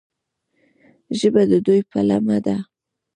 ژبه د دوی پلمه ده.